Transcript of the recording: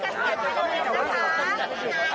ใช่เพราะไม่อยากให้เข้ามาทำงานอีแฮนด์นะครับ